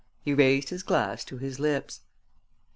He raised his glass to his lips.